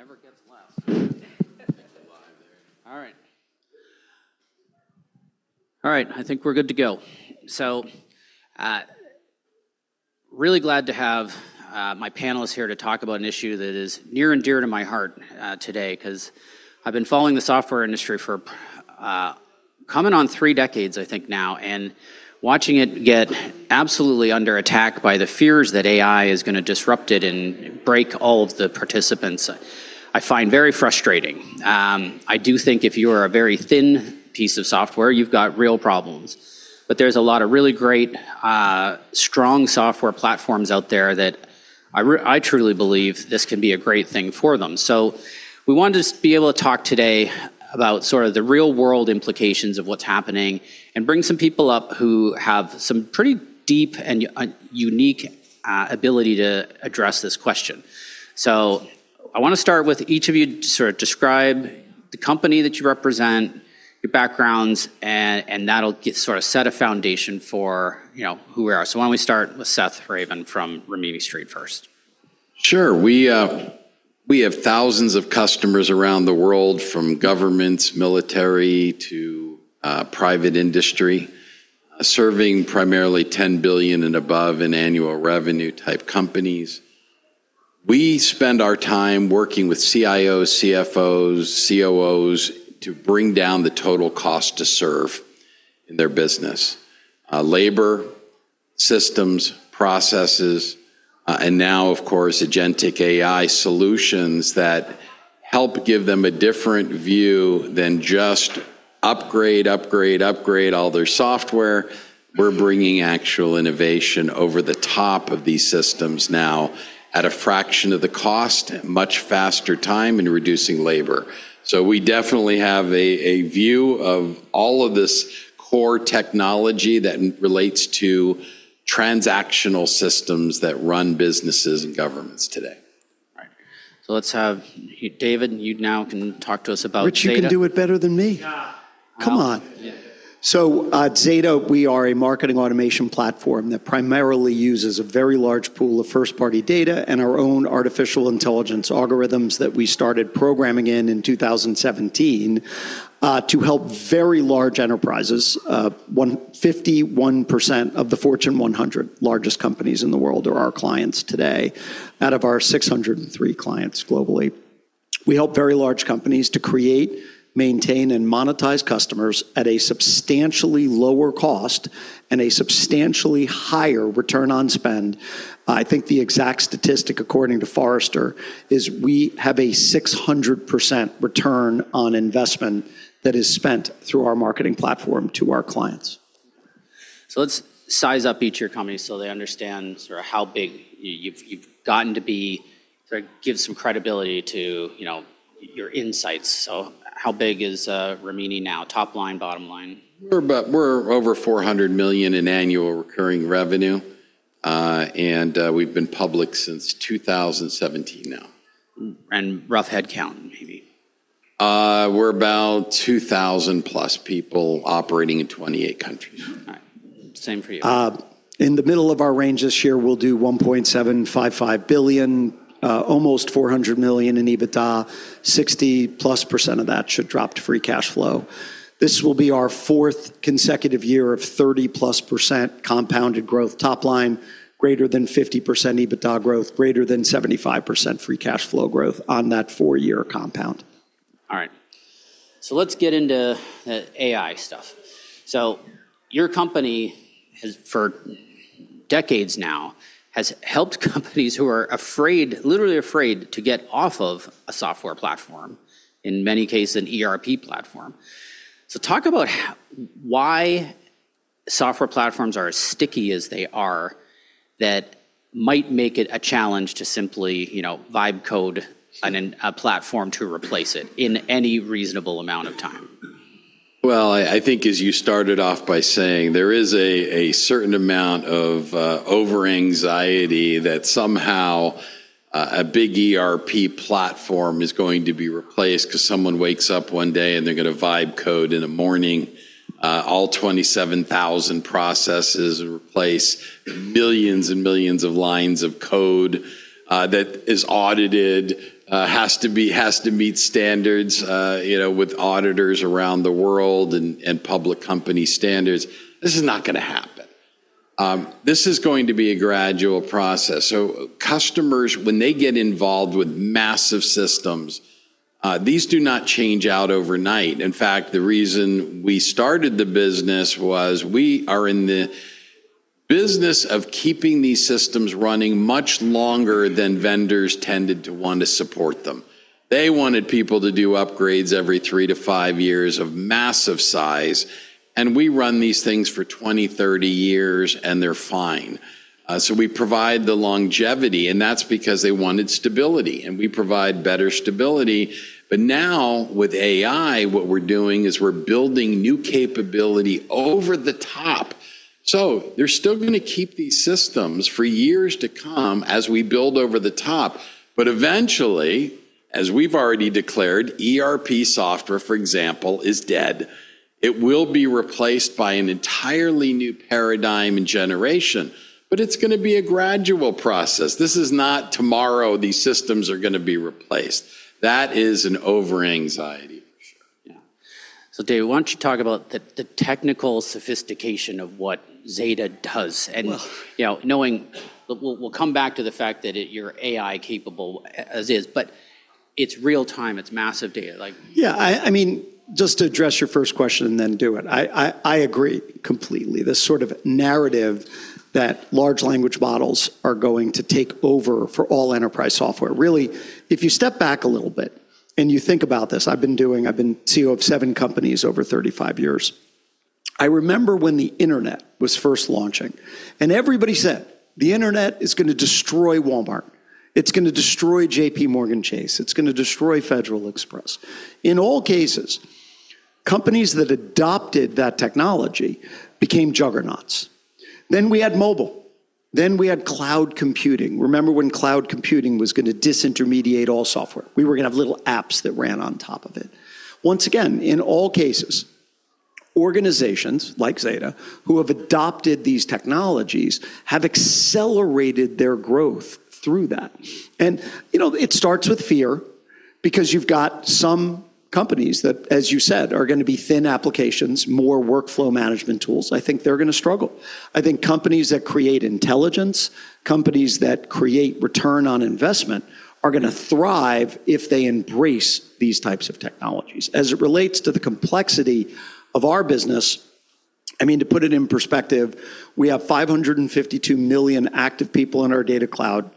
It never gets less. All right. I think we're good to go. Really glad to have my panelists here to talk about an issue that is near and dear to my heart today, 'cause I've been following the software industry for coming on three decades, I think now, and watching it get absolutely under attack by the fears that AI is gonna disrupt it and break all of the participants. I find very frustrating. I do think if you are a very thin piece of software, you've got real problems. There's a lot of really great strong software platforms out there that I truly believe this can be a great thing for them. We wanted to be able to talk today about sort of the real-world implications of what's happening and bring some people up who have some pretty deep and unique ability to address this question. I wanna start with each of you to sort of describe the company that you represent, your backgrounds, and that'll sort of set a foundation for, you know, who we are. Why don't we start with Seth Ravin from Rimini Street first? Sure. We have thousands of customers around the world, from governments, military, to private industry, serving primarily 10 billion and above in annual revenue type companies. We spend our time working with CIOs, CFOs, COOs to bring down the total cost to serve in their business, labor, systems, processes, and now, of course, agentic AI solutions that help give them a different view than just upgrade, upgrade all their software. We're bringing actual innovation over the top of these systems now at a fraction of the cost, much faster time, and reducing labor. We definitely have a view of all of this core technology that relates to transactional systems that run businesses and governments today. All right. Let's have David, you now can talk to us about Zeta. What, you can do it better than me? Yeah. Come on. Yeah. At Zeta, we are a marketing automation platform that primarily uses a very large pool of first-party data and our own artificial intelligence algorithms that we started programming in 2017 to help very large enterprises. 151% of the Fortune 100 largest companies in the world are our clients today out of our 603 clients globally. We help very large companies to create, maintain, and monetize customers at a substantially lower cost and a substantially higher return on spend. I think the exact statistic, according to Forrester, is we have a 600% return on investment that is spent through our marketing platform to our clients. Let's size up each of your companies so they understand sort of how big you've gotten to be to give some credibility to, you know, your insights. How big is Rimini now? Top line, bottom line. We're over $400 million in annual recurring revenue. We've been public since 2017 now. Rough headcount, maybe. We're about 2,000 plus people operating in 28 countries. All right. Same for you. In the middle of our range this year, we'll do $1.755 billion, almost $400 million in EBITDA. 60%+ of that should drop to Free Cash Flow. This will be our fourth consecutive year of 30%+ compounded growth top line, greater than 50% EBITDA growth, greater than 75% Free Cash Flow growth on that four-year compound. All right. Let's get into the AI stuff. Your company has, for decades now, helped companies who are afraid, literally afraid to get off of a software platform, in many cases an ERP platform. Talk about why software platforms are as sticky as they are that might make it a challenge to simply, you know, vibe coding a platform to replace it in any reasonable amount of time. Well, I think as you started off by saying, there is a certain amount of over anxiety that somehow a big ERP platform is going to be replaced 'cause someone wakes up one day, and they're gonna vibe coding in a morning, all 27,000 processes and replace millions and millions of lines of code, that is audited, has to meet standards, you know, with auditors around the world and public company standards. This is not gonna happen. This is going to be a gradual process. Customers, when they get involved with massive systems, these do not change out overnight. In fact, the reason we started the business was we are in the business of keeping these systems running much longer than vendors tended to want to support them. They wanted people to do upgrades every three-five years of massive size, and we run these things for 20, 30 years, and they're fine. We provide the longevity, and that's because they wanted stability, and we provide better stability. Now with AI, what we're doing is we're building new capability over the top. They're still gonna keep these systems for years to come as we build over the top. Eventually, as we've already declared, ERP software, for example, is dead. It will be replaced by an entirely new paradigm and generation, but it's gonna be a gradual process. This is not tomorrow. These systems are gonna be replaced. That is overanxiety for sure. Yeah. Dave, why don't you talk about the technical sophistication of what Zeta does? Well- You know, we'll come back to the fact that it. You're AI capable as is, but it's real time, it's massive data. Like Yeah. I mean, just to address your first question and then do it. I agree completely. This sort of narrative that large language models are going to take over for all enterprise software. Really, if you step back a little bit and you think about this, I've been CEO of seven companies over 35 years. I remember when the internet was first launching, and everybody said, "The internet is gonna destroy Walmart. It's gonna destroy JP Morgan Chase. It's gonna destroy Federal Express." In all cases, companies that adopted that technology became juggernauts. Then we had mobile, then we had cloud computing. Remember when cloud computing was gonna disintermediate all software? We were gonna have little apps that ran on top of it. Once again, in all cases, organizations like Zeta who have adopted these technologies have accelerated their growth through that. You know, it starts with fear because you've got some companies that, as you said, are gonna be thin applications, more workflow management tools. I think they're gonna struggle. I think companies that create intelligence, companies that create return on investment are gonna thrive if they embrace these types of technologies. As it relates to the complexity of our business, I mean, to put it in perspective, we have 552 million active people in our data cloud.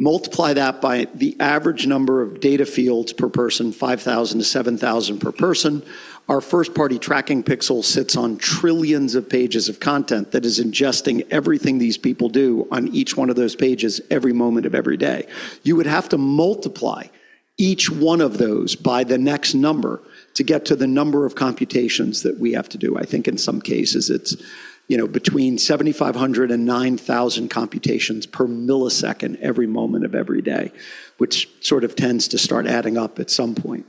Multiply that by the average number of data fields per person, 5,000-7,000 per person. Our first-party tracking pixel sits on trillions of pages of content that is ingesting everything these people do on each one of those pages every moment of every day. You would have to multiply each one of those by the next number to get to the number of computations that we have to do. I think in some cases it's, you know, between 7,500 and 9,000 computations per millisecond every moment of every day, which sort of tends to start adding up at some point.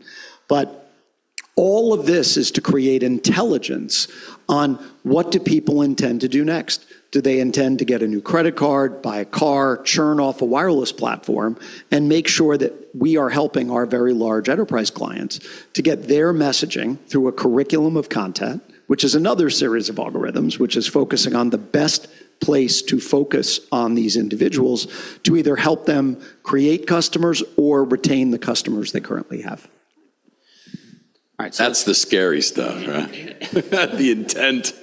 All of this is to create intelligence on what do people intend to do next. Do they intend to get a new credit card, buy a car, churn off a wireless platform? Make sure that we are helping our very large enterprise clients to get their messaging through a curriculum of content, which is another series of algorithms, which is focusing on the best place to focus on these individuals to either help them create customers or retain the customers they currently have. All right, Seth. That's the scary stuff, right? The intent.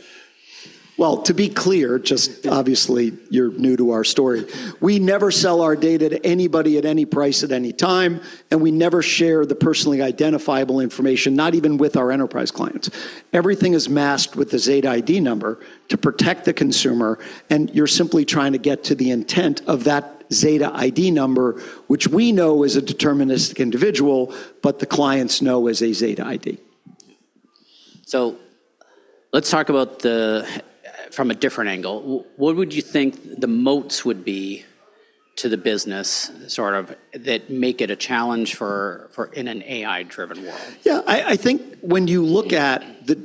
Well, to be clear, just obviously you're new to our story. We never sell our data to anybody at any price at any time, and we never share the personally identifiable information, not even with our enterprise clients. Everything is masked with a Zeta ID number to protect the consumer, and you're simply trying to get to the intent of that Zeta ID number, which we know is a deterministic individual, but the clients know as a Zeta ID. Let's talk about from a different angle. What would you think the moats would be to the business, sort of, that make it a challenge for in an AI-driven world? Yeah. I think when you look at the,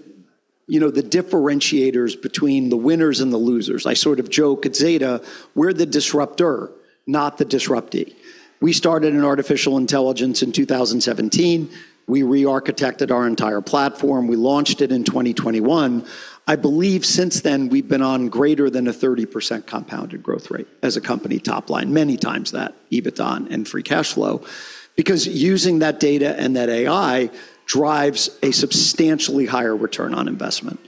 you know, the differentiators between the winners and the losers, I sort of joke at Zeta, we're the disruptor, not the disruptee. We started in artificial intelligence in 2017. We re-architected our entire platform. We launched it in 2021. I believe since then we've been on greater than a 30% compounded growth rate as a company top line, many times that EBITDA and free cash flow, because using that data and that AI drives a substantially higher return on investment.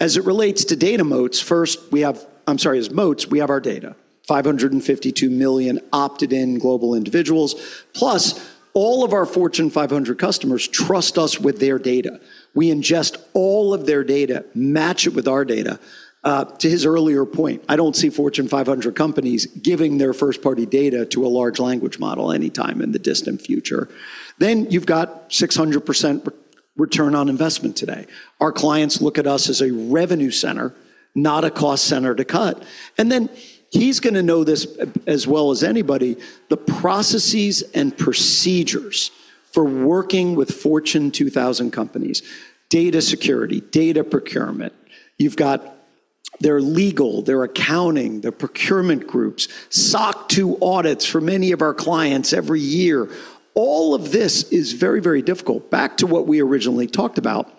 As it relates to moats, we have our data, 552 million opted-in global individuals, plus all of our Fortune 500 customers trust us with their data. We ingest all of their data, match it with our data. To his earlier point, I don't see Fortune 500 companies giving their first-party data to a large language model anytime in the distant future. You've got 600% return on investment today. Our clients look at us as a revenue center, not a cost center to cut. He's gonna know this as well as anybody, the processes and procedures for working with Fortune 2000 companies, data security, data procurement. You've got their legal, their accounting, their procurement groups, SOC 2 audits for many of our clients every year. All of this is very, very difficult. Back to what we originally talked about,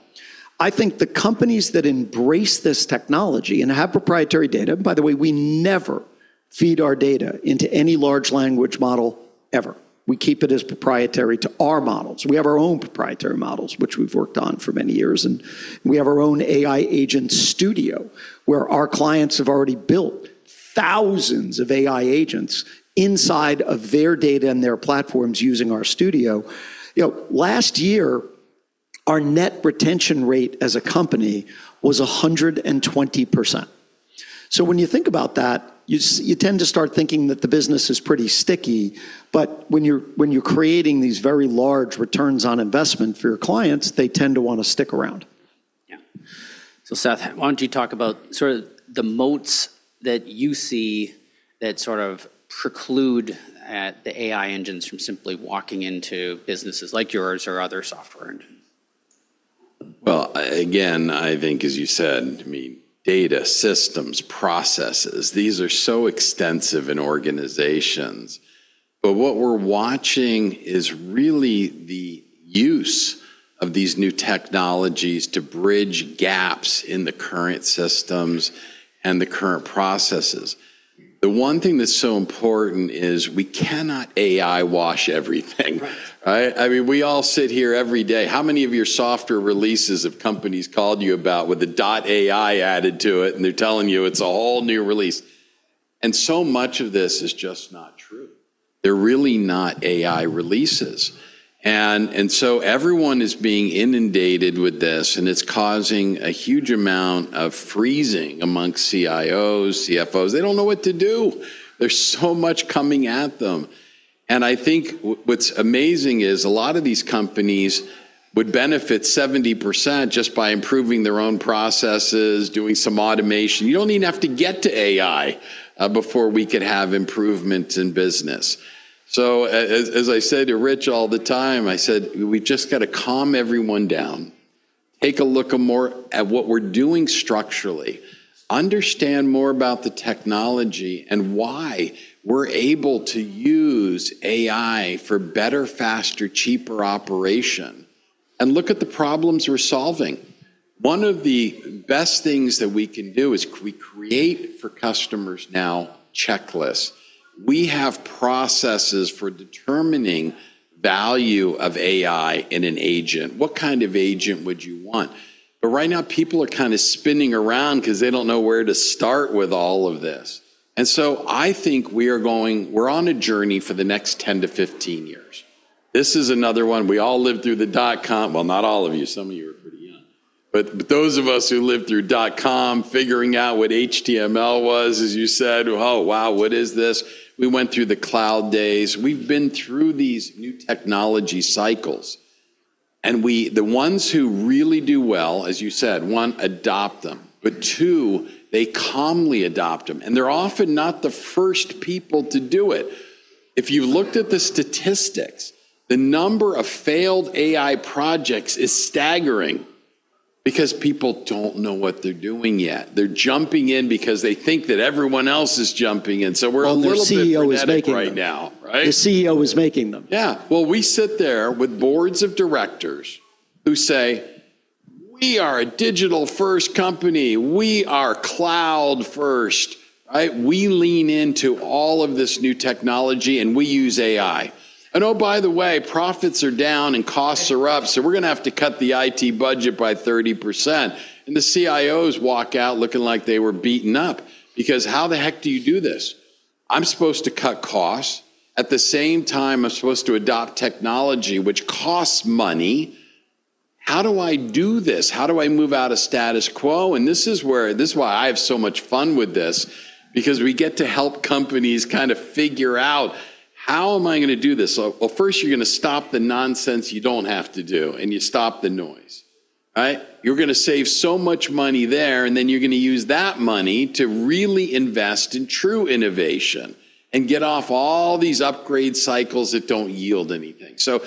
I think the companies that embrace this technology and have proprietary data. By the way, we never feed our data into any large language model ever. We keep it as proprietary to our models. We have our own proprietary models, which we've worked on for many years, and we have our own AI agent studio where our clients have already built thousands of AI agents inside of their data and their platforms using our studio. You know, last year, our net retention rate as a company was 120%. When you think about that, you tend to start thinking that the business is pretty sticky, but when you're creating these very large returns on investment for your clients, they tend to wanna stick around. Yeah. Seth, why don't you talk about sort of the moats that you see that sort of preclude the AI engines from simply walking into businesses like yours or other software engines. Well, again, I think as you said, I mean, data, systems, processes, these are so extensive in organizations. What we're watching is really the use of these new technologies to bridge gaps in the current systems and the current processes. The one thing that's so important is we cannot AI wash everything. Right. Right? I mean, we all sit here every day. How many of your software releases have companies called you about with a .ai added to it, and they're telling you it's a whole new release? So much of this is just not true. They're really not AI releases. So everyone is being inundated with this, and it's causing a huge amount of freezing amongst CIOs, CFOs. They don't know what to do. There's so much coming at them. I think what's amazing is a lot of these companies would benefit 70% just by improving their own processes, doing some automation. You don't even have to get to AI before we could have improvements in business. As I said to Rich all the time, I said, "We just gotta calm everyone down, take a look more at what we're doing structurally, understand more about the technology and why we're able to use AI for better, faster, cheaper operation, and look at the problems we're solving." One of the best things that we can do is we create for customers now checklists. We have processes for determining value of AI in an agent. What kind of agent would you want? Right now, people are kinda spinning around 'cause they don't know where to start with all of this. I think we are going we're on a journey for the next 10-15 years. This is another one. We all lived through the dot-com. Well, not all of you. Some of you are pretty young. Those of us who lived through dot-com, figuring out what HTML was, as you said, "Oh, wow, what is this?" We went through the cloud days. We've been through these new technology cycles, and we, the ones who really do well, as you said, one, adopt them, but two, they calmly adopt them, and they're often not the first people to do it. If you looked at the statistics, the number of failed AI projects is staggering because people don't know what they're doing yet. They're jumping in because they think that everyone else is jumping in, so we're a little bit Well, their CEO is making them. Pathetic right now, right? The CEO is making them. Yeah. Well, we sit there with boards of directors who say, "We are a digital-first company. We are cloud first, right? We lean into all of this new technology, and we use AI. And oh, by the way, profits are down and costs are up, so we're gonna have to cut the IT budget by 30%." And the CIOs walk out looking like they were beaten up because how the heck do you do this? I'm supposed to cut costs. At the same time, I'm supposed to adopt technology which costs money. How do I do this? How do I move out of status quo? This is why I have so much fun with this because we get to help companies kind of figure out, "How am I gonna do this?" Well first you're gonna stop the nonsense you don't have to do, and you stop the noise, right? You're gonna save so much money there, and then you're gonna use that money to really invest in true innovation and get off all these upgrade cycles that don't yield anything. So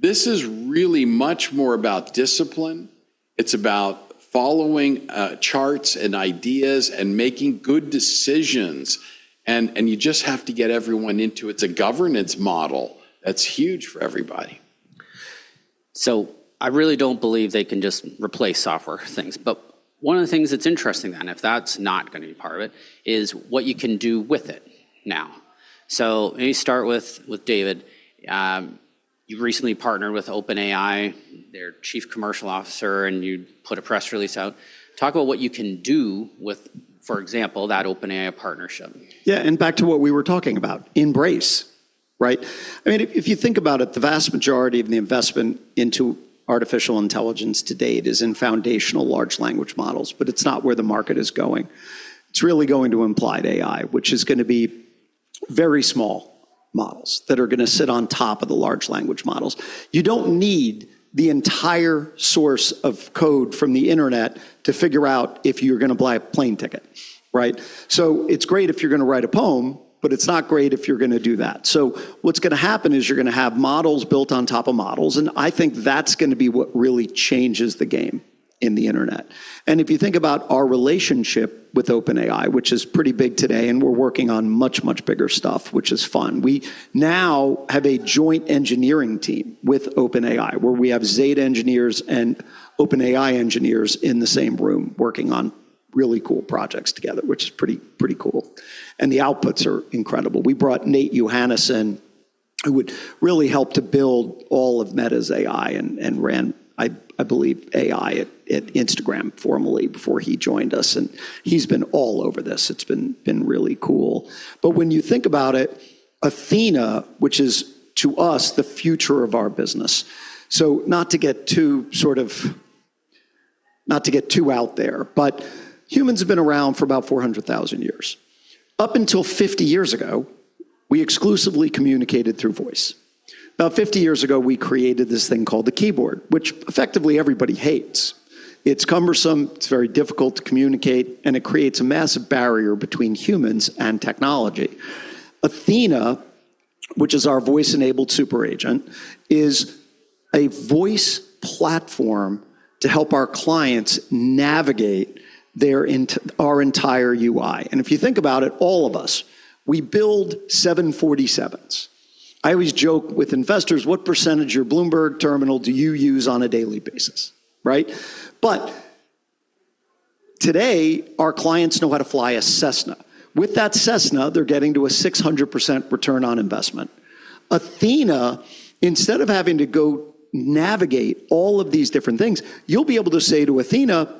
this is really much more about discipline. It's about following charts and ideas and making good decisions. And you just have to get everyone into it. It's a governance model that's huge for everybody. I really don't believe they can just replace software things. One of the things that's interesting then, if that's not gonna be part of it, is what you can do with it now. Let me start with David. You've recently partnered with OpenAI, their chief commercial officer, and you put a press release out. Talk about what you can do with, for example, that OpenAI partnership. Yeah, back to what we were talking about, embrace, right? I mean, if you think about it, the vast majority of the investment into artificial intelligence to date is in foundational large language models. It's not where the market is going. It's really going to applied AI, which is gonna be very small models that are gonna sit on top of the large language models. You don't need the entire source code from the internet to figure out if you're gonna buy a plane ticket, right? It's great if you're gonna write a poem, but it's not great if you're gonna do that. What's gonna happen is you're gonna have models built on top of models, and I think that's gonna be what really changes the game on the internet. If you think about our relationship with OpenAI, which is pretty big today, and we're working on much, much bigger stuff, which is fun. We now have a joint engineering team with OpenAI, where we have Zeta engineers and OpenAI engineers in the same room working on really cool projects together, which is pretty cool. The outputs are incredible. We brought Nate Johannesson, who would really help to build all of Meta's AI and ran, I believe, AI at Instagram formerly before he joined us, and he's been all over this. It's been really cool. When you think about it, Athena, which is to us the future of our business. Not to get too out there, but humans have been around for about 400,000 years. Up until 50 years ago. We exclusively communicated through voice. About 50 years ago, we created this thing called the keyboard, which effectively everybody hates. It's cumbersome, it's very difficult to communicate, and it creates a massive barrier between humans and technology. Athena, which is our voice-enabled super agent, is a voice platform to help our clients navigate our entire UI. If you think about it, all of us, we build 747s. I always joke with investors, what percentage of your Bloomberg terminal do you use on a daily basis, right? Today, our clients know how to fly a Cessna. With that Cessna, they're getting to a 600% return on investment. Athena, instead of having to go navigate all of these different things, you'll be able to say to Athena,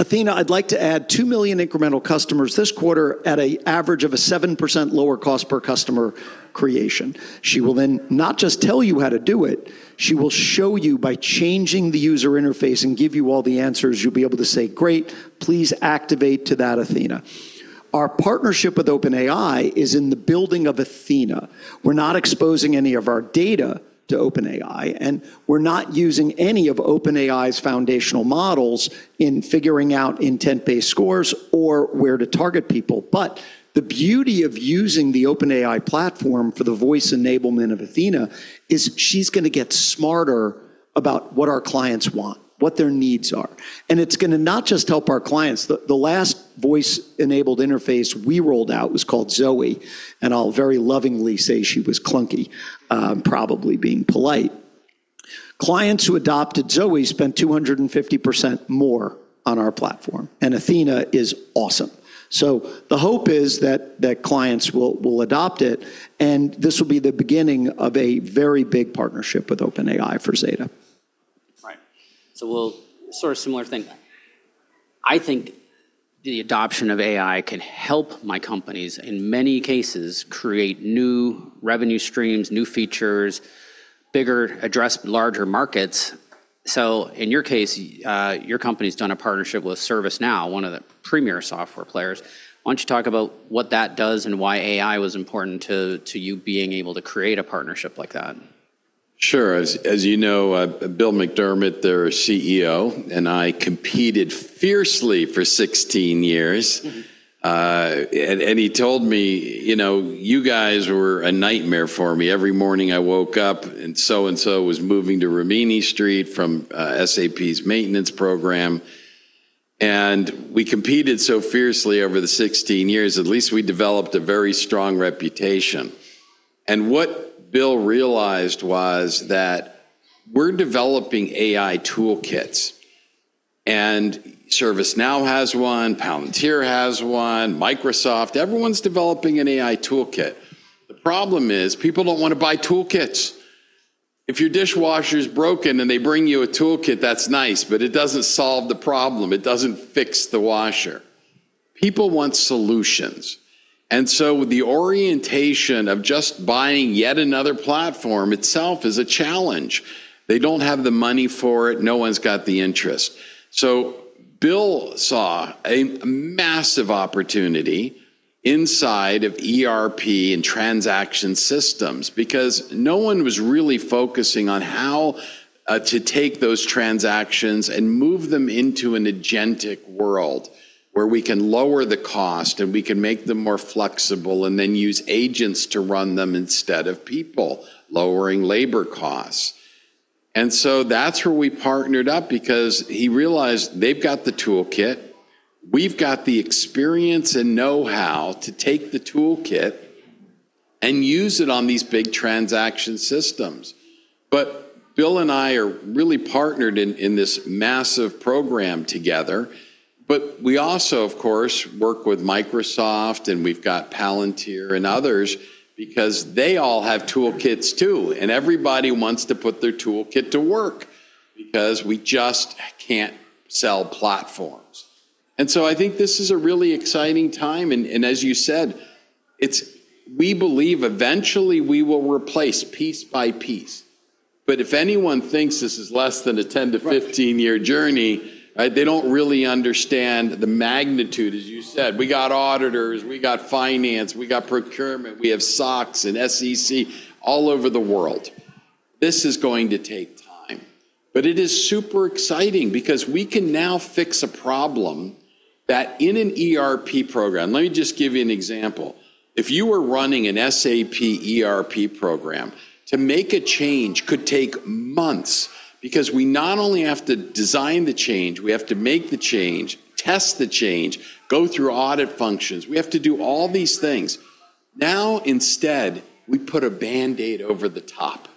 "Athena, I'd like to add two million incremental customers this quarter at a average of a 7% lower cost per customer creation." She will then not just tell you how to do it, she will show you by changing the user interface and give you all the answers. You'll be able to say, "Great. Please activate to that, Athena." Our partnership with OpenAI is in the building of Athena. We're not exposing any of our data to OpenAI, and we're not using any of OpenAI's foundational models in figuring out intent-based scores or where to target people. The beauty of using the OpenAI platform for the voice enablement of Athena is she's gonna get smarter about what our clients want, what their needs are, and it's gonna not just help our clients. The last voice-enabled interface we rolled out was called Zoe, and I'll very lovingly say she was clunky, probably being polite. Clients who adopted Zoe spent 250% more on our platform, and Athena is awesome. The hope is that clients will adopt it, and this will be the beginning of a very big partnership with OpenAI for Zeta. Right. Sort of similar thing. I think the adoption of AI can help my companies, in many cases, create new revenue streams, new features, address larger markets. In your case, your company's done a partnership with ServiceNow, one of the premier software players. Why don't you talk about what that does and why AI was important to you being able to create a partnership like that? Sure. As you know, Bill McDermott, their CEO, and I competed fiercely for 16 years. Mm-hmm. He told me, "You know, you guys were a nightmare for me. Every morning I woke up and so and so was moving to Rimini Street from SAP's maintenance program." We competed so fiercely over the 16 years; at least we developed a very strong reputation. What Bill McDermott realized was that we're developing AI toolkits, and ServiceNow has one, Palantir has one, Microsoft. Everyone's developing an AI toolkit. The problem is people don't wanna buy toolkits. If your dishwasher's broken and they bring you a toolkit, that's nice, but it doesn't solve the problem. It doesn't fix the washer. People want solutions. The orientation of just buying yet another platform itself is a challenge. They don't have the money for it. No one's got the interest. Bill saw a massive opportunity inside of ERP and transaction systems because no one was really focusing on how to take those transactions and move them into an agentic world where we can lower the cost, and we can make them more flexible and then use agents to run them instead of people, lowering labor costs. That's where we partnered up because he realized they've got the toolkit. We've got the experience and know-how to take the toolkit and use it on these big transaction systems. Bill and I are really partnered in this massive program together. We also, of course, work with Microsoft, and we've got Palantir and others because they all have toolkits too. Everybody wants to put their toolkit to work because we just can't sell platforms. I think this is a really exciting time. As you said, we believe eventually we will replace piece by piece. If anyone thinks this is less than a 10-15-year journey, right, they don't really understand the magnitude. As you said, we got auditors, we got finance, we got procurement, we have SOX and SEC all over the world. This is going to take time. It is super exciting because we can now fix a problem that in an ERP program. Let me just give you an example. If you were running an SAP ERP program, to make a change could take months because we not only have to design the change, we have to make the change, test the change, go through audit functions. We have to do all these things. Now, instead, we put a Band-Aid over the top.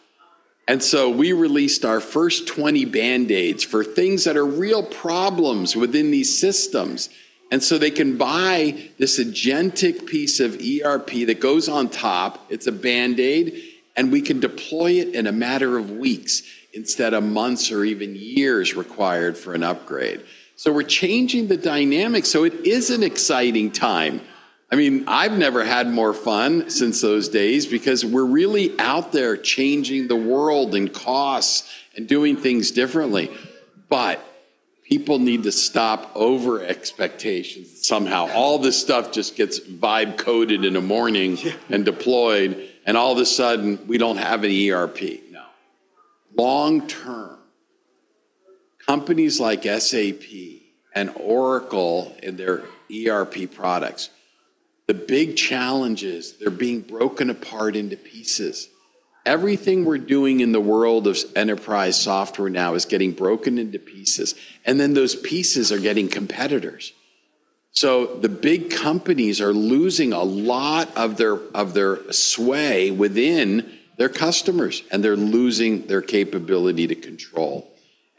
We released our first 20 Band-Aids for things that are real problems within these systems. They can buy this agentic piece of ERP that goes on top. It's a Band-Aid, and we can deploy it in a matter of weeks instead of months or even years required for an upgrade. We're changing the dynamic, so it is an exciting time. I mean, I've never had more fun since those days because we're really out there changing the world and costs and doing things differently. People need to stop over expectations somehow. All this stuff just gets vibe coded in a morning. Yeah deployed, and all of a sudden, we don't have an ERP. No. Long term, companies like SAP and Oracle in their ERP products, the big challenge is they're being broken apart into pieces. Everything we're doing in the world of enterprise software now is getting broken into pieces, and then those pieces are getting competitors. So the big companies are losing a lot of their sway within their customers, and they're losing their capability to control.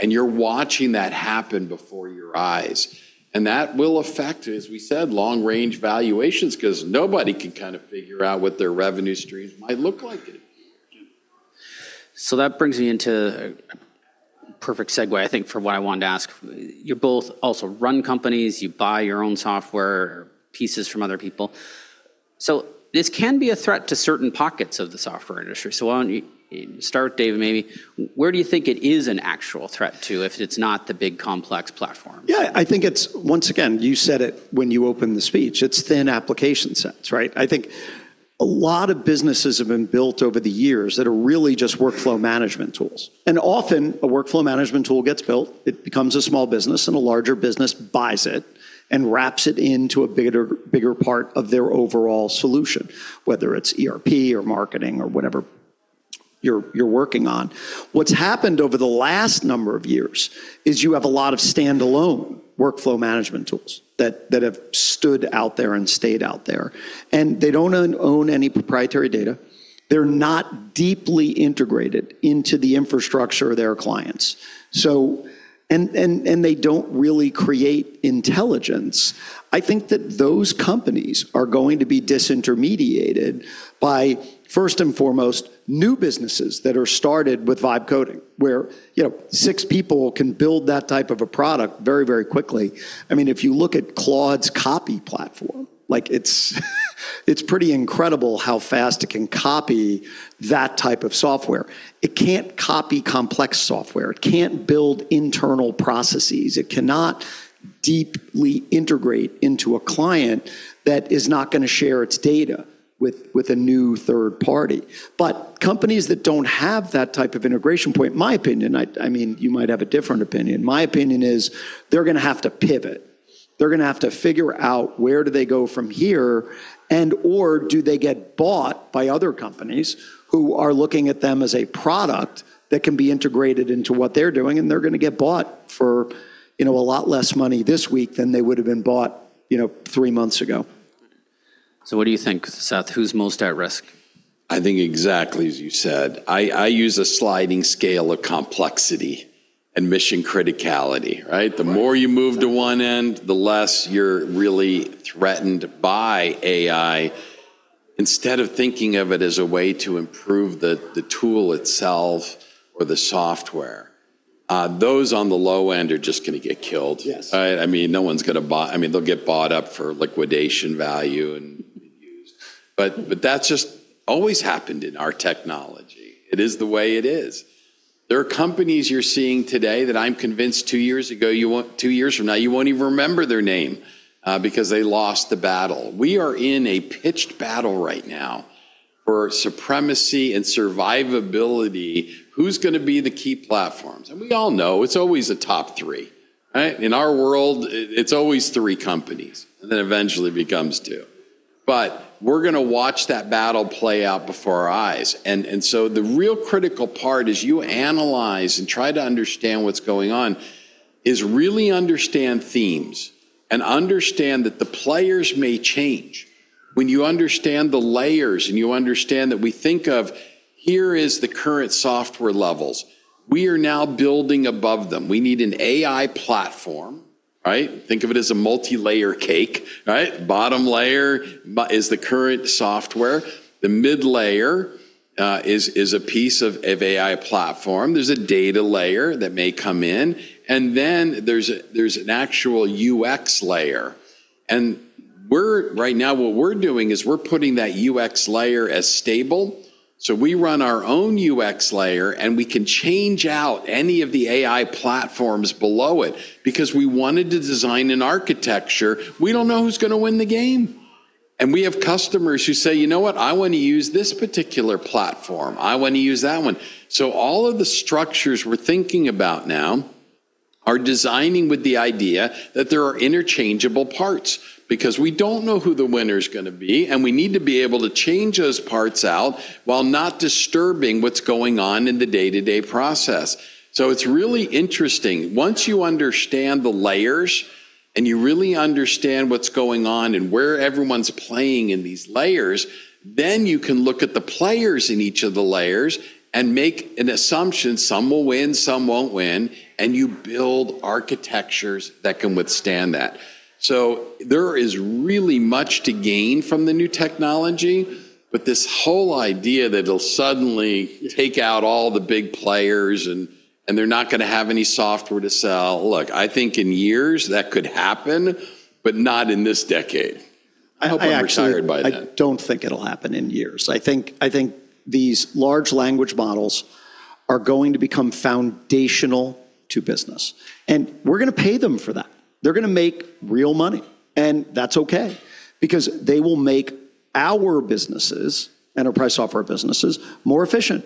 You're watching that happen before your eyes. That will affect, as we said, long-range valuations 'cause nobody can kinda figure out what their revenue streams might look like. That brings me into a perfect segue, I think, for what I wanted to ask. You both also run companies. You buy your own software or pieces from other people. This can be a threat to certain pockets of the software industry. Why don't you start, David, maybe. Where do you think it is an actual threat to if it's not the big complex platform? Yeah. I think it's, once again, you said it when you opened the speech, it's thin application sets, right? I think a lot of businesses have been built over the years that are really just workflow management tools. Often, a workflow management tool gets built, it becomes a small business, and a larger business buys it and wraps it into a bigger part of their overall solution, whether it's ERP or marketing or whatever you're working on. What's happened over the last number of years is you have a lot of standalone workflow management tools that have stood out there and stayed out there, and they don't own any proprietary data. They're not deeply integrated into the infrastructure of their clients. They don't really create intelligence. I think that those companies are going to be disintermediated by, first and foremost, new businesses that are started with vibe coding, where, you know, six people can build that type of a product very, very quickly. I mean, if you look at Claude's coding platform, like it's pretty incredible how fast it can copy that type of software. It can't copy complex software. It can't build internal processes. It cannot deeply integrate into a client that is not gonna share its data with a new third party. Companies that don't have that type of integration point, my opinion, I mean, you might have a different opinion. My opinion is they're gonna have to pivot. They're gonna have to figure out where do they go from here and/or do they get bought by other companies who are looking at them as a product that can be integrated into what they're doing, and they're gonna get bought for, you know, a lot less money this week than they would've been bought, you know, three months ago. What do you think, Seth? Who's most at risk? I think exactly as you said. I use a sliding scale of complexity and mission criticality, right? Right. The more you move to one end, the less you're really threatened by AI instead of thinking of it as a way to improve the tool itself or the software. Those on the low end are just gonna get killed. Yes. I mean, no one's gonna buy. I mean, they'll get bought up for liquidation value and used, but that's just always happened in our technology. It is the way it is. There are companies you're seeing today that I'm convinced two years from now, you won't even remember their name, because they lost the battle. We are in a pitched battle right now for supremacy and survivability. Who's gonna be the key platforms? We all know it's always a top three, right? In our world, it's always three companies, and then eventually becomes two. We're gonna watch that battle play out before our eyes. The real critical part as you analyze and try to understand what's going on is really understand themes and understand that the players may change. When you understand the layers and you understand that we think of here is the current software levels, we are now building above them. We need an AI platform, right? Think of it as a multilayer cake, right? Bottom layer is the current software. The mid layer is a piece of AI platform. There's a data layer that may come in, and then there's an actual UX layer. We're right now what we're doing is we're putting that UX layer as stable, so we run our own UX layer, and we can change out any of the AI platforms below it because we wanted to design an architecture. We don't know who's gonna win the game. We have customers who say, "You know what? I wanna use this particular platform. I wanna use that one. All of the structures we're thinking about now are designing with the idea that there are interchangeable parts because we don't know who the winner's gonna be, and we need to be able to change those parts out while not disturbing what's going on in the day-to-day process. It's really interesting. Once you understand the layers and you really understand what's going on and where everyone's playing in these layers, then you can look at the players in each of the layers and make an assumption some will win, some won't win, and you build architectures that can withstand that. There is really much to gain from the new technology, but this whole idea that it'll suddenly take out all the big players and they're not gonna have any software to sell. Look, I think in years that could happen, but not in this decade. I hope I'm retired by then. I actually I don't think it'll happen in years. I think these large language models are going to become foundational to business, and we're gonna pay them for that. They're gonna make real money, and that's okay because they will make our businesses, enterprise software businesses, more efficient.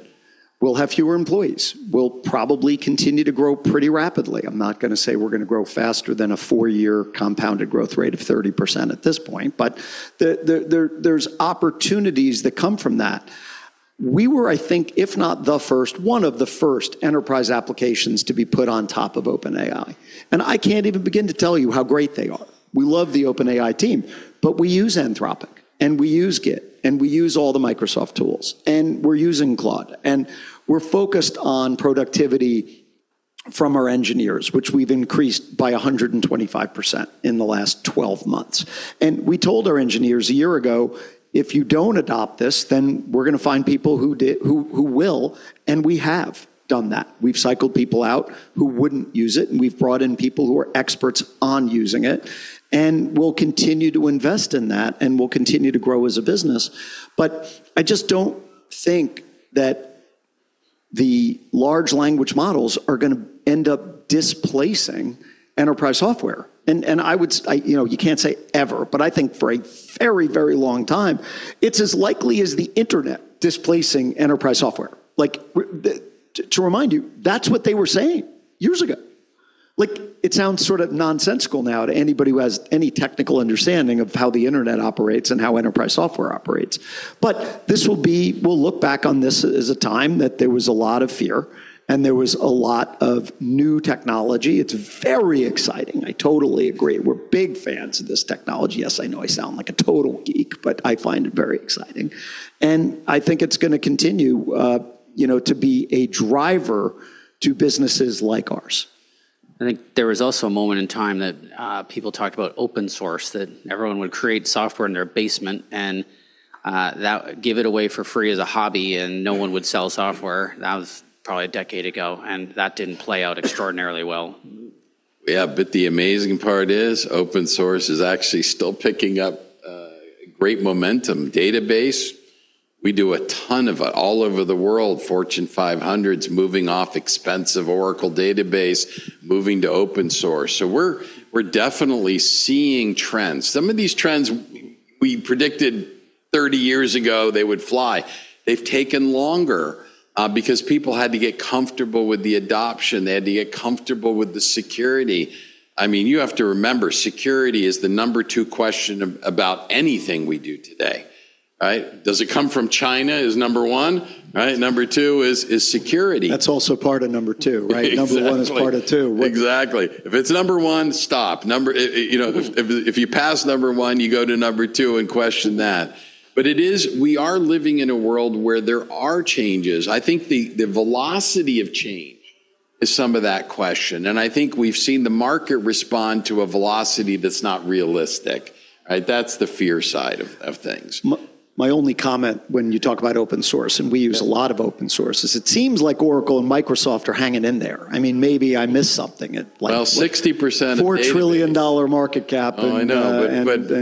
We'll have fewer employees. We'll probably continue to grow pretty rapidly. I'm not gonna say we're gonna grow faster than a four-year compounded growth rate of 30% at this point, but there's opportunities that come from that. We were, I think, if not the first, one of the first enterprise applications to be put on top of OpenAI, and I can't even begin to tell you how great they are. We love the OpenAI team, but we use Anthropic, and we use Git, and we use all the Microsoft tools, and we're using Claude, and we're focused on productivity from our engineers, which we've increased by 125% in the last 12 months. We told our engineers a year ago, "If you don't adopt this, then we're gonna find people who will," and we have done that. We've cycled people out who wouldn't use it, and we've brought in people who are experts on using it, and we'll continue to invest in that, and we'll continue to grow as a business. I just don't think that the large language models are gonna end up displacing enterprise software. You know, you can't say never, but I think for a very, very long time, it's as likely as the internet displacing enterprise software. To remind you, that's what they were saying years ago. Like, it sounds sort of nonsensical now to anybody who has any technical understanding of how the internet operates and how enterprise software operates. We'll look back on this as a time that there was a lot of fear, and there was a lot of new technology. It's very exciting. I totally agree. We're big fans of this technology. Yes, I know I sound like a total geek, but I find it very exciting. I think it's gonna continue, you know, to be a driver to businesses like ours. I think there was also a moment in time that people talked about open source, that everyone would create software in their basement and give it away for free as a hobby, and no one would sell software. That was probably a decade ago, and that didn't play out extraordinarily well. Yeah, the amazing part is open source is actually still picking up great momentum. Database, we do a ton of all over the world, Fortune 500s moving off expensive Oracle database, moving to open source. We're definitely seeing trends. Some of these trends we predicted 30 years ago they would fly. They've taken longer because people had to get comfortable with the adoption. They had to get comfortable with the security. I mean, you have to remember, security is the number two question about anything we do today, right? Does it come from China is number one, right? Number two is security. That's also part of number two, right? Exactly. Number one is part of two. Exactly. If it's number one, stop. You know, if you pass number one, you go to number two and question that. It is. We are living in a world where there are changes. I think the velocity of change is some of that question, and I think we've seen the market respond to a velocity that's not realistic, right? That's the fear side of things. My only comment when you talk about open source, and we use a lot of open sources, it seems like Oracle and Microsoft are hanging in there. I mean, maybe I missed something at like- Well, 60% of database- $4 trillion market cap and Oh, I know.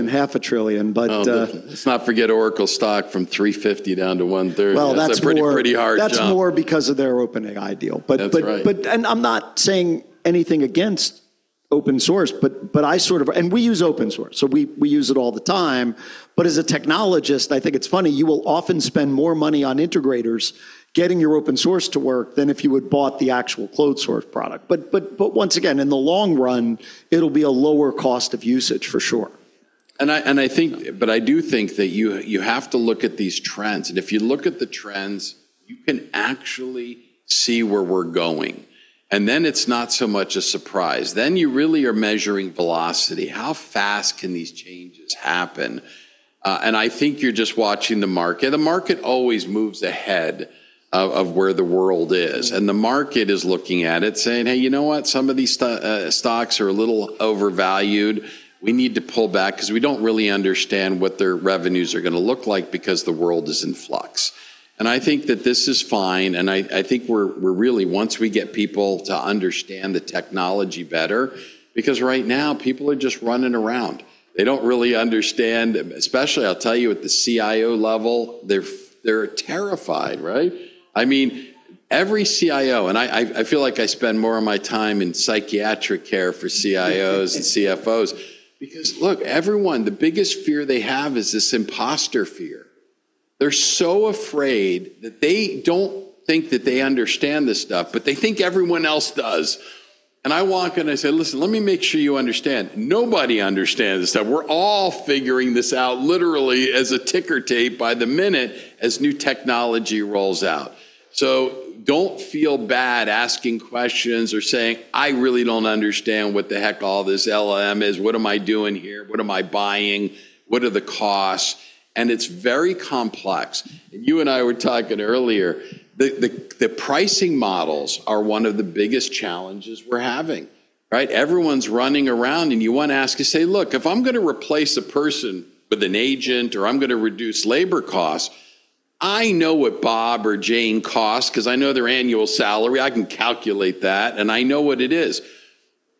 half a trillion. Let's not forget Oracle stock from $350 down to $130. Well, that's more. That's a pretty hard jump. That's more because of their Open AI deal. That's right. I'm not saying anything against open source, but we use open source, so we use it all the time. As a technologist, I think it's funny. You will often spend more money on integrators getting your open source to work than if you had bought the actual closed source product. Once again, in the long run, it'll be a lower cost of usage for sure. I do think that you have to look at these trends, and if you look at the trends, you can actually see where we're going. It's not so much a surprise. You really are measuring velocity. How fast can these changes happen? I think you're just watching the market. The market always moves ahead of where the world is, and the market is looking at it saying, "Hey, you know what? Some of these stocks are a little overvalued. We need to pull back 'cause we don't really understand what their revenues are gonna look like because the world is in flux." I think that this is fine, and I think we're really. Once we get people to understand the technology better, because right now people are just running around. They don't really understand, especially, I'll tell you, at the CIO level, they're terrified, right? I mean, every CIO, and I feel like I spend more of my time in psychiatric care for CIOs and CFOs because, look, everyone, the biggest fear they have is this imposter fear. They're so afraid that they don't think that they understand this stuff, but they think everyone else does. I walk in, I say, "Listen, let me make sure you understand. Nobody understands this stuff. We're all figuring this out literally as a ticker tape by the minute as new technology rolls out. So don't feel bad asking questions or saying, 'I really don't understand what the heck all this LLM is. What am I doing here? What am I buying? What are the costs?'" It's very complex. You and I were talking earlier. The pricing models are one of the biggest challenges we're having, right? Everyone's running around, and you wanna ask to say, "Look, if I'm gonna replace a person with an agent or I'm gonna reduce labor costs, I know what Bob or Jane costs 'cause I know their annual salary. I can calculate that, and I know what it is.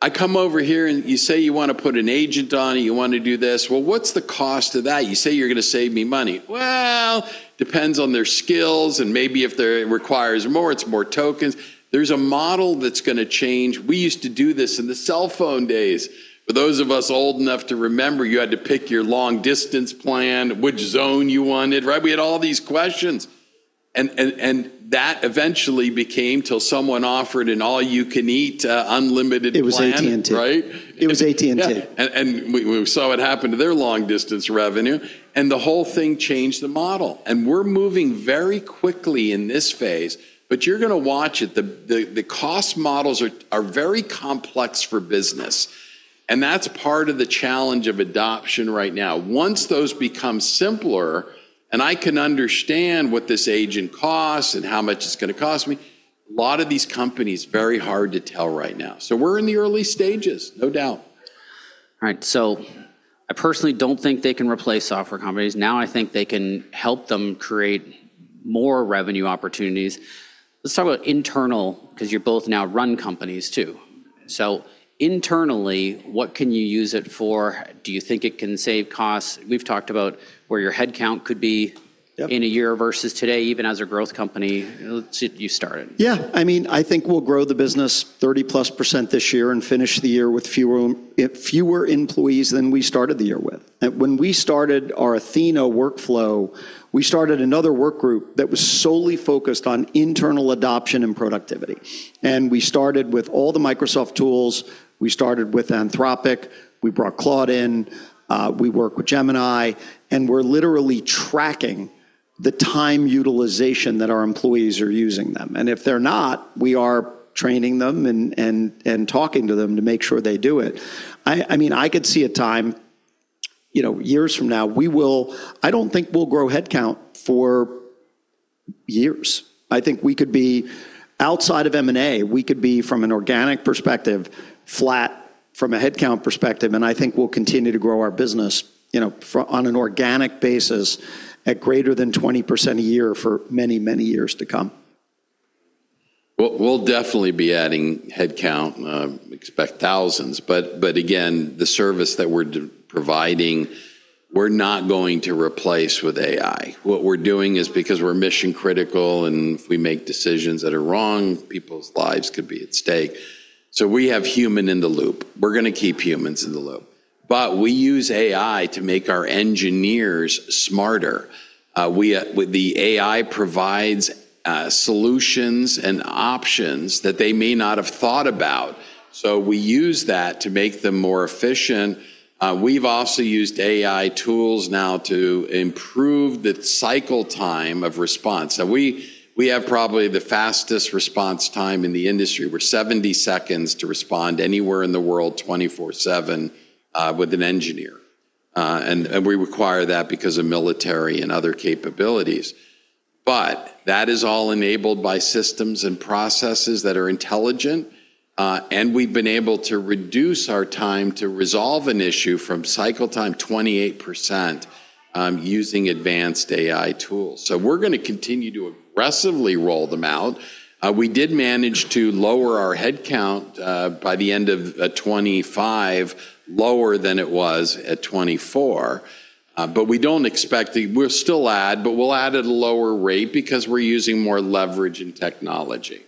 I come over here, and you say you wanna put an agent on it, you wanna do this. Well, what's the cost of that? You say you're gonna save me money. Well, depends on their skills and maybe if they're, it requires more, it's more tokens. There's a model that's gonna change. We used to do this in the cellphone days. For those of us old enough to remember, you had to pick your long distance plan, which zone you wanted, right? We had all these questions. that eventually became till someone offered an all you can eat, unlimited plan. It was AT&T. Right? It was AT&T. Yeah. We saw it happen to their long distance revenue, and the whole thing changed the model. We're moving very quickly in this phase, but you're gonna watch it. The cost models are very complex for business, and that's part of the challenge of adoption right now. Once those become simpler and I can understand what this agent costs and how much it's gonna cost me, a lot of these companies, very hard to tell right now. We're in the early stages, no doubt. All right. I personally don't think they can replace software companies. Now I think they can help them create more revenue opportunities. Let's talk about internal, 'cause you both now run companies too. Internally, what can you use it for? Do you think it can save costs? We've talked about where your headcount could be. Yep. In a year versus today, even as a growth company. You start it. Yeah. I mean, I think we'll grow the business 30%+ this year and finish the year with fewer employees than we started the year with. When we started our Athena workflow, we started another work group that was solely focused on internal adoption and productivity. We started with all the Microsoft tools. We started with Anthropic. We brought Claude in. We work with Gemini, and we're literally tracking the time utilization that our employees are using them. If they're not, we are training them and talking to them to make sure they do it. I mean, I could see a time, you know, years from now. I don't think we'll grow headcount for years. I think we could be. Outside of M&A, we could be, from an organic perspective, flat from a headcount perspective, and I think we'll continue to grow our business, you know, on an organic basis at greater than 20% a year for many, many years to come. We'll definitely be adding headcount, expect thousands. Again, the service that we're providing, we're not going to replace with AI. What we're doing is because we're mission-critical, and if we make decisions that are wrong, people's lives could be at stake. We have human in the loop. We're gonna keep humans in the loop. We use AI to make our engineers smarter. What the AI provides solutions and options that they may not have thought about, so we use that to make them more efficient. We've also used AI tools now to improve the cycle time of response. Now we have probably the fastest response time in the industry. We're 70 seconds to respond anywhere in the world 24/7 with an engineer. We require that because of military and other capabilities. That is all enabled by systems and processes that are intelligent, and we've been able to reduce our time to resolve an issue from cycle time 28%, using advanced AI tools. We're gonna continue to aggressively roll them out. We did manage to lower our headcount by the end of 2025, lower than it was at 2024. We'll still add, but we'll add at a lower rate because we're using more leverage and technology.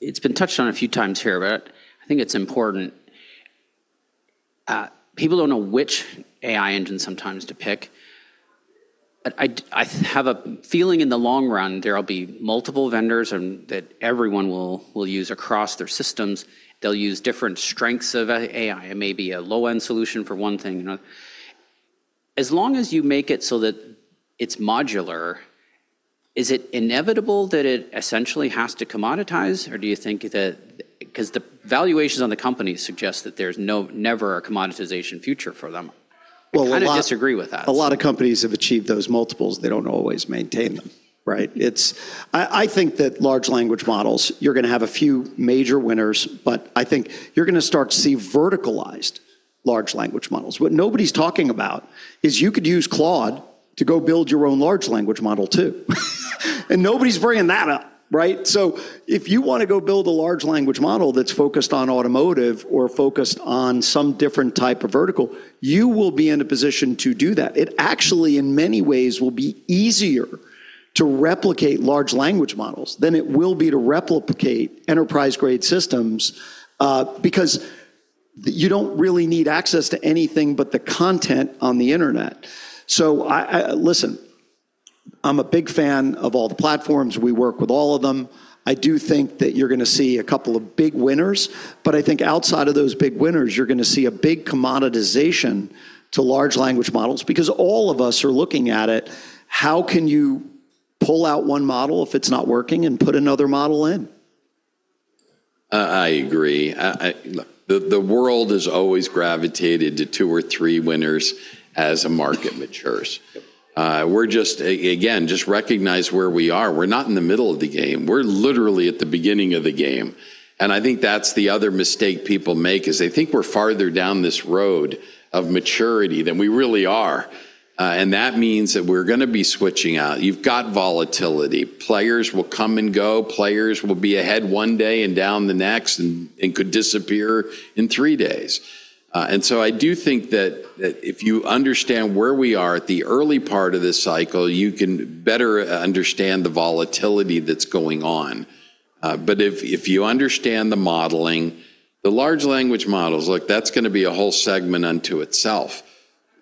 It's been touched on a few times here, but I think it's important. People don't know which AI engine sometimes to pick. I have a feeling in the long run there'll be multiple vendors and that everyone will use across their systems. They'll use different strengths of AI and maybe a low-end solution for one thing. As long as you make it so that it's modular, is it inevitable that it essentially has to commoditize, or do you think that 'cause the valuations on the company suggest that there's never a commoditization future for them. Well, a lot. I kinda disagree with that. A lot of companies have achieved those multiples. They don't always maintain them, right? It's, I think that large language models, you're gonna have a few major winners, but I think you're gonna start to see verticalized large language models. What nobody's talking about is you could use Claude to go build your own large language model too. Nobody's bringing that up, right? If you wanna go build a large language model that's focused on automotive or focused on some different type of vertical, you will be in a position to do that. It actually in many ways will be easier to replicate large language models than it will be to replicate enterprise-grade systems, because you don't really need access to anything but the content on the internet. Listen, I'm a big fan of all the platforms. We work with all of them. I do think that you're gonna see a couple of big winners, but I think outside of those big winners, you're gonna see a big commoditization to large language models because all of us are looking at it, how can you pull out one model if it's not working and put another model in? I agree. The world has always gravitated to two or three winners as a market matures. Yep. Again, just recognize where we are. We're not in the middle of the game. We're literally at the beginning of the game. I think that's the other mistake people make, is they think we're farther down this road of maturity than we really are. That means that we're gonna be switching out. You've got volatility. Players will come and go. Players will be ahead one day and down the next and could disappear in three days. I do think that if you understand where we are at the early part of this cycle, you can better understand the volatility that's going on. But if you understand the modeling, the large language models, look, that's gonna be a whole segment unto itself.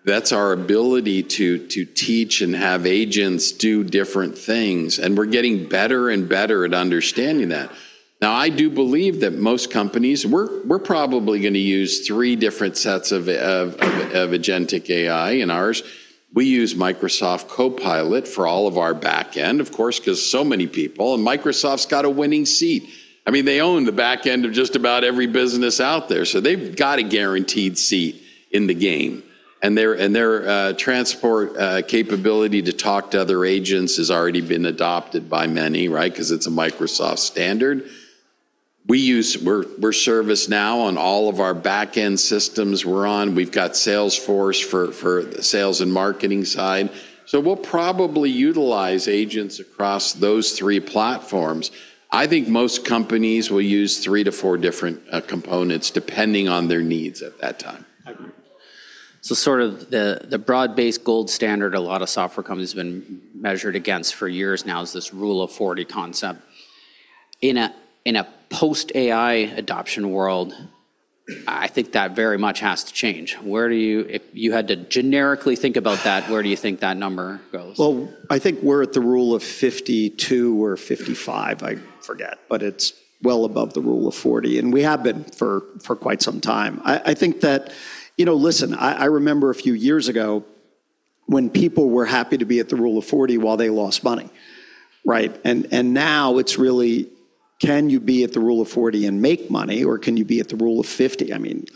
That's our ability to teach and have agents do different things, and we're getting better and better at understanding that. Now, I do believe that most companies. We're probably gonna use three different sets of agentic AI in ours. We use Microsoft Copilot for all of our back end, of course, 'cause so many people. Microsoft's got a winning seat. I mean, they own the back end of just about every business out there, so they've got a guaranteed seat in the game. Their transport capability to talk to other agents has already been adopted by many, right? 'Cause it's a Microsoft standard. We use ServiceNow on all of our back-end systems we're on. We've got Salesforce for the sales and marketing side. So we'll probably utilize agents across those three platforms. I think most companies will use three-four different components depending on their needs at that time. I agree. Sort of the broad-based gold standard a lot of software companies have been measured against for years now is this Rule of 40 concept. In a post-AI adoption world, I think that very much has to change. If you had to generically think about that, where do you think that number goes? Well, I think we're at the Rule of 52 or 55. I forget. It's well above the Rule of 40, and we have been for quite some time. I think that you know, listen, I remember a few years ago when people were happy to be at the Rule of 40 while they lost money, right? Now it's really, can you be at the Rule of 40 and make money, or can you be at the Rule of 50? I mean,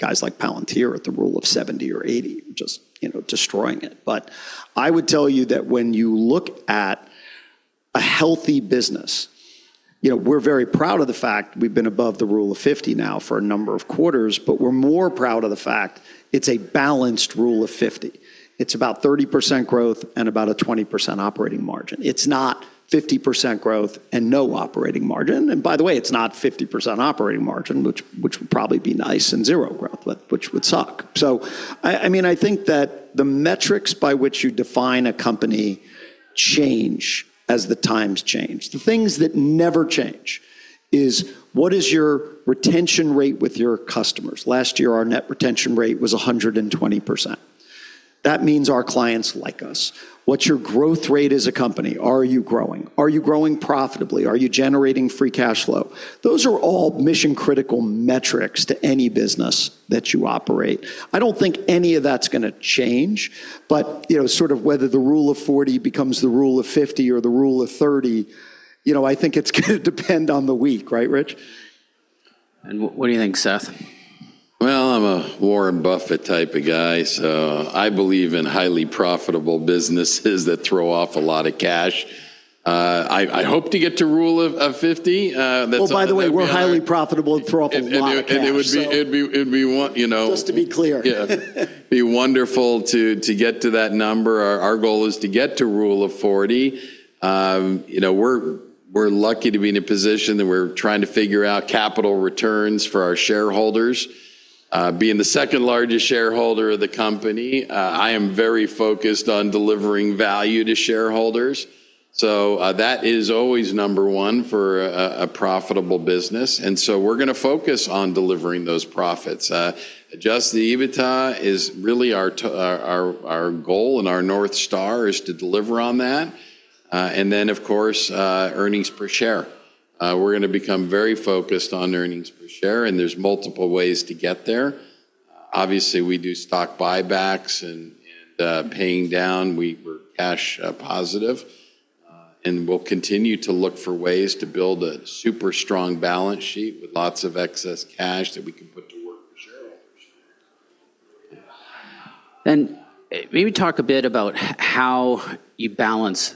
guys like Palantir at the Rule of 70 or 80 just, you know, destroying it. I would tell you that when you look at a healthy business, you know, we're very proud of the fact we've been above the Rule of 50 now for a number of quarters, but we're more proud of the fact it's a balanced Rule of 50. It's about 30% growth and about a 20% operating margin. It's not 50% growth and no operating margin. By the way, it's not 50% operating margin, which would probably be nice, and zero growth, which would suck. I mean, I think that the metrics by which you define a company change as the times change. The things that never change is what is your retention rate with your customers? Last year, our net retention rate was 120%. That means our clients like us. What's your growth rate as a company? Are you growing? Are you growing profitably? Are you generating Free Cash Flow? Those are all mission-critical metrics to any business that you operate. I don't think any of that's gonna change. You know, sort of whether the Rule of 40 becomes the Rule of 50 or the Rule of 30, you know, I think it's gonna depend on the week, right, Rich? What do you think, Seth? Well, I'm a Warren Buffett type of guy, so I believe in highly profitable businesses that throw off a lot of cash. I hope to get to Rule of 50. That's ultimately. Well, by the way, we're highly profitable and throw off a lot of cash, so It would be, you know. Just to be clear. It'd be wonderful to get to that number. Our goal is to get to Rule of 40. You know, we're lucky to be in a position that we're trying to figure out capital returns for our shareholders. Being the second largest shareholder of the company, I am very focused on delivering value to shareholders. That is always number one for a profitable business. We're gonna focus on delivering those profits. Adjusted EBITDA is really our goal and our North Star is to deliver on that. Of course, earnings per share. We're gonna become very focused on earnings per share, and there's multiple ways to get there. Obviously, we do stock buybacks and paying down. We're cash positive. We'll continue to look for ways to build a super strong balance sheet with lots of excess cash that we can put to work for shareholders. Maybe talk a bit about how you balance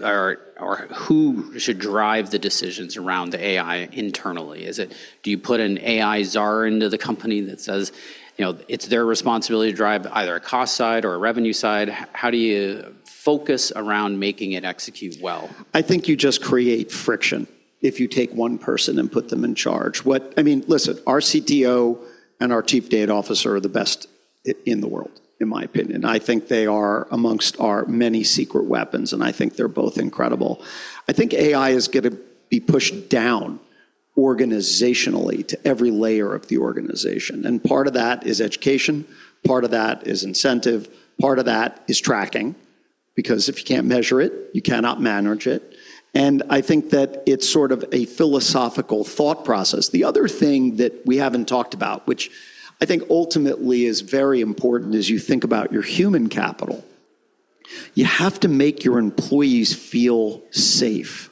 or who should drive the decisions around AI internally. Is it? Do you put an AI czar into the company that says, you know, it's their responsibility to drive either a cost side or a revenue side? How do you focus around making it execute well? I think you just create friction if you take one person and put them in charge. I mean, listen, our CTO and our Chief Data Officer are the best in the world, in my opinion. I think they are amongst our many secret weapons, and I think they're both incredible. I think AI is gonna be pushed down organizationally to every layer of the organization, and part of that is education, part of that is incentive, part of that is tracking. Because if you can't measure it, you cannot manage it. I think that it's sort of a philosophical thought process. The other thing that we haven't talked about, which I think ultimately is very important as you think about your human capital, you have to make your employees feel safe.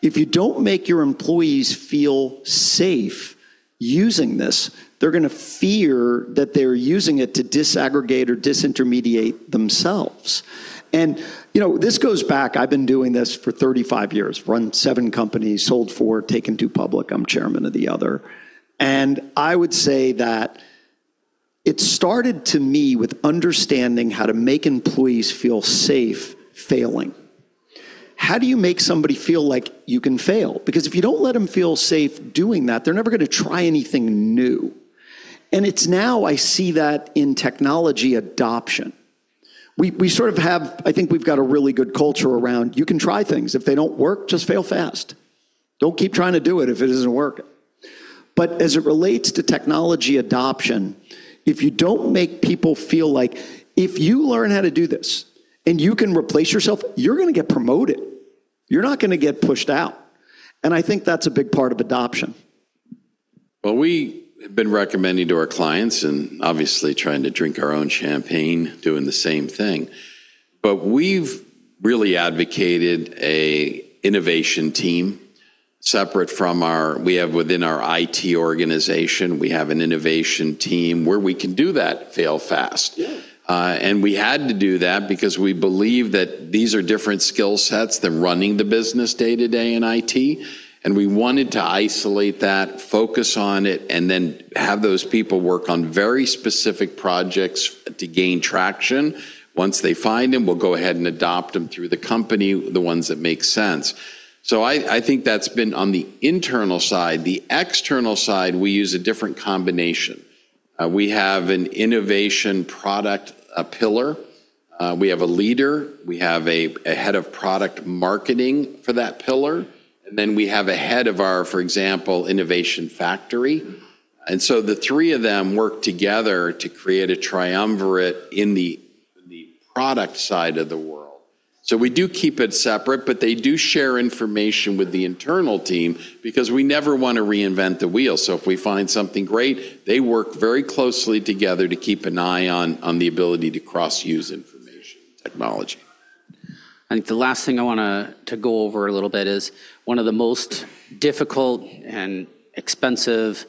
If you don't make your employees feel safe using this, they're gonna fear that they're using it to disaggregate or disintermediate themselves. You know, this goes back. I've been doing this for 35 years. Run seven companies, sold four, taken two public. I'm chairman of the other. I would say that. It started to me with understanding how to make employees feel safe failing. How do you make somebody feel like you can fail? Because if you don't let them feel safe doing that, they're never gonna try anything new. It's now I see that in technology adoption. We sort of have. I think we've got a really good culture around you can try things. If they don't work, just fail fast. Don't keep trying to do it if it isn't working. As it relates to technology adoption, if you don't make people feel like if you learn how to do this and you can replace yourself, you're gonna get promoted. You're not gonna get pushed out. I think that's a big part of adoption. Well, we have been recommending to our clients and obviously trying to drink our own champagne doing the same thing, but we've really advocated an innovation team separate from our IT organization. We have an innovation team where we can do that fail fast. Yeah. We had to do that because we believe that these are different skill sets than running the business day-to-day in IT, and we wanted to isolate that, focus on it, and then have those people work on very specific projects to gain traction. Once they find them, we'll go ahead and adopt them through the company, the ones that make sense. I think that's been on the internal side. The external side, we use a different combination. We have an innovation product, a pillar. We have a leader. We have a head of product marketing for that pillar. We have a head of our, for example, Innovation Factory. The three of them work together to create a triumvirate in the product side of the world. We do keep it separate, but they do share information with the internal team because we never wanna reinvent the wheel. If we find something great, they work very closely together to keep an eye on the ability to cross-use information technology. I think the last thing I want to go over a little bit is one of the most difficult and expensive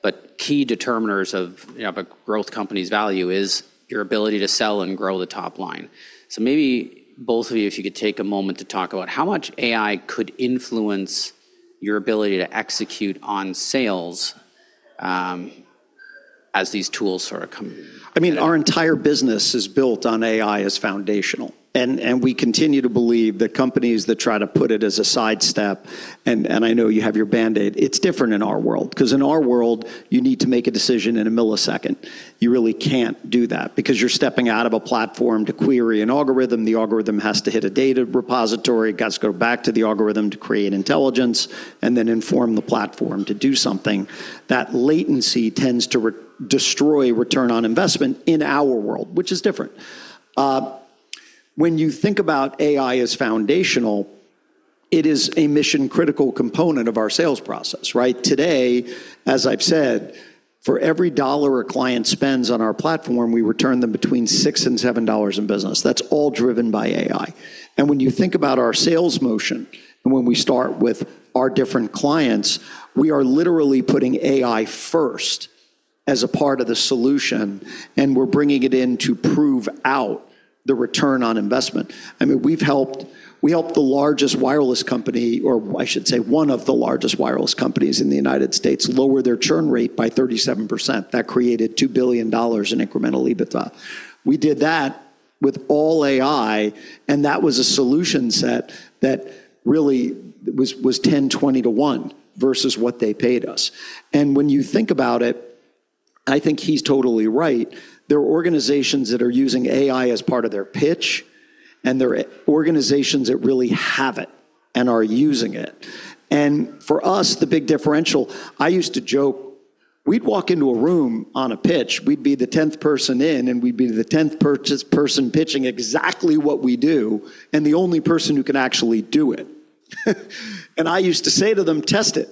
but key determiners of, you know, of a growth company's value is your ability to sell and grow the top line. Maybe both of you, if you could take a moment to talk about how much AI could influence your ability to execute on sales, as these tools sort of come. I mean, our entire business is built on AI as foundational. We continue to believe that companies that try to put it as a sidestep. I know you have your band-aid, it's different in our world. 'Cause in our world, you need to make a decision in a millisecond. You really can't do that because you're stepping out of a platform to query an algorithm. The algorithm has to hit a data repository. It's got to go back to the algorithm to create intelligence and then inform the platform to do something. That latency tends to destroy return on investment in our world, which is different. When you think about AI as foundational, it is a mission-critical component of our sales process, right? Today, as I've said, for every dollar a client spends on our platform, we return them between $6 and $7 in business. That's all driven by AI. When you think about our sales motion and when we start with our different clients, we are literally putting AI first as a part of the solution, and we're bringing it in to prove out the return on investment. I mean, we helped the largest wireless company, or I should say one of the largest wireless companies in the United States, lower their churn rate by 37%. That created $2 billion in incremental EBITDA. We did that with all AI, and that was a solution set that really was 10-20 to 1 versus what they paid us. When you think about it, I think he's totally right. There are organizations that are using AI as part of their pitch, and there are organizations that really have it and are using it. For us, the big differential, I used to joke, we'd walk into a room on a pitch, we'd be the tenth person in, and we'd be the tenth purchase person pitching exactly what we do, and the only person who can actually do it. I used to say to them, "Test it.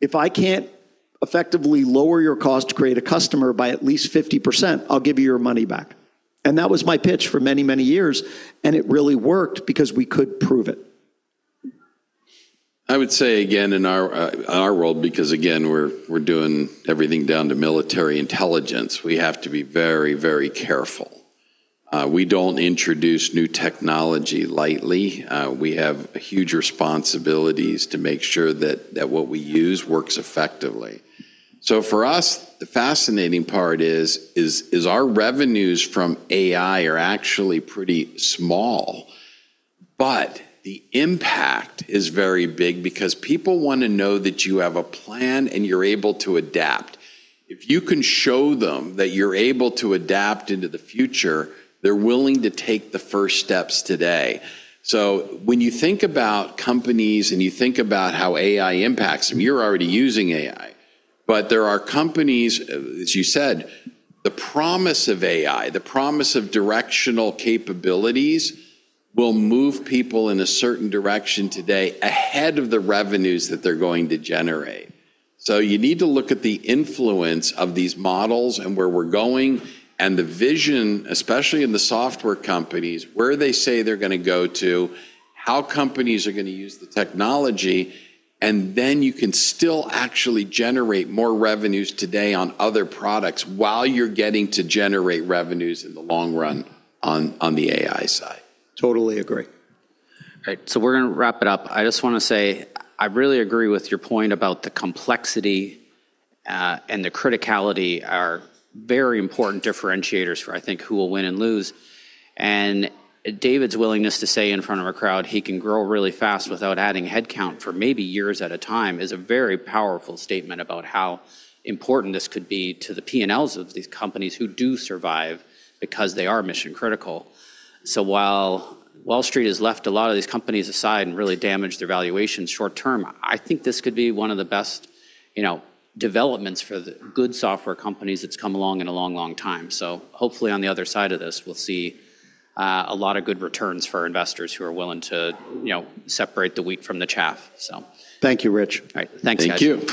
If I can't effectively lower your cost to create a customer by at least 50%, I'll give you your money back." That was my pitch for many, many years, and it really worked because we could prove it. I would say again in our world, because again, we're doing everything down to military intelligence, we have to be very careful. We don't introduce new technology lightly. We have huge responsibilities to make sure that what we use works effectively. For us, the fascinating part is our revenues from AI are actually pretty small, but the impact is very big because people wanna know that you have a plan and you're able to adapt. If you can show them that you're able to adapt into the future, they're willing to take the first steps today. When you think about companies and you think about how AI impacts them, you're already using AI. There are companies, as you said, the promise of AI, the promise of directional capabilities will move people in a certain direction today ahead of the revenues that they're going to generate. You need to look at the influence of these models and where we're going and the vision, especially in the software companies, where they say they're gonna go to, how companies are gonna use the technology, and then you can still actually generate more revenues today on other products while you're getting to generate revenues in the long run on the AI side. Totally agree. Right. We're gonna wrap it up. I just wanna say I really agree with your point about the complexity, and the criticality are very important differentiators for, I think, who will win and lose. David's willingness to say in front of a crowd he can grow really fast without adding headcount for maybe years at a time is a very powerful statement about how important this could be to the P&Ls of these companies who do survive because they are mission-critical. While Wall Street has left a lot of these companies aside and really damaged their valuation short term, I think this could be one of the best, you know, developments for the good software companies that's come along in a long, long time. Hopefully on the other side of this, we'll see a lot of good returns for investors who are willing to, you know, separate the wheat from the chaff. Thank you, Rich. All right. Thanks, guys. Thank you.